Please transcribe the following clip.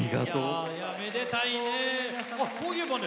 めでたいね。